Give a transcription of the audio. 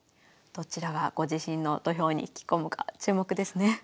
どちらがご自身の土俵に引き込むか注目ですね。